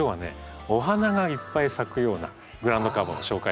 お花がいっぱい咲くようなグラウンドカバーを紹介したいんですね。